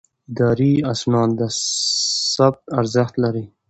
اداري اسناد د ثبوت ارزښت لري.